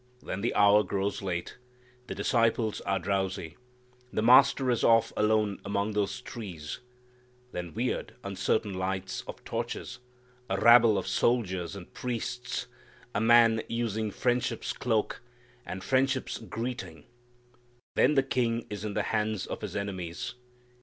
Then the hour grows late, the disciples are drowsy, the Master is off alone among those trees, then weird uncertain lights of torches, a rabble of soldiers and priests, a man using friendship's cloak, and friendship's greeting then the King is in the hands of His enemies.